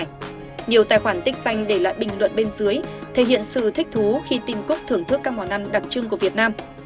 nhiều tài khoản tích xanh để lại bình luận bên dưới thể hiện sự thích thú khi tin cúc thưởng thức các món ăn đặc trưng của việt nam